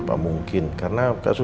aku gak akan berhenti